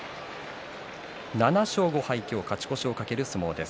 ７勝５敗、今日勝ち越しを懸ける相撲です。